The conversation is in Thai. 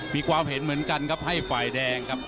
มีความเห็นเหมือนกันครับให้ฝ่ายแดงครับ